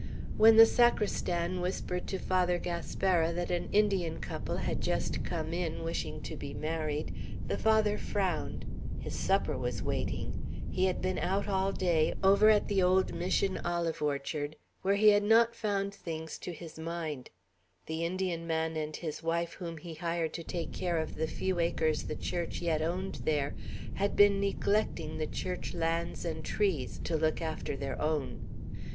When the sacristan whispered to Father Gaspara that an Indian couple had just come in, wishing to be married, the Father frowned. His supper was waiting; he had been out all day, over at the old Mission olive orchard, where he had not found things to his mind; the Indian man and wife whom he hired to take care of the few acres the Church yet owned there had been neglecting the Church lands and trees, to look after their own.